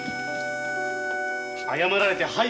謝られてはい